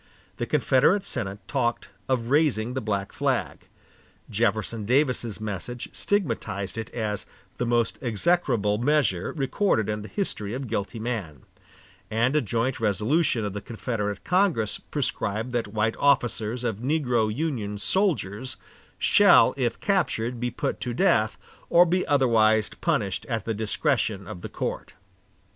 The Confederate Senate talked of raising the black flag; Jefferson Davis's message stigmatized it as "the most execrable measure recorded in the history of guilty man"; and a joint resolution of the Confederate Congress prescribed that white officers of negro Union soldiers "shall, if captured, be put to death, or be otherwise punished at the discretion of the court."